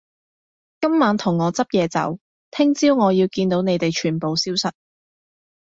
今晚同我執嘢走，聽朝我要見到你哋全部消失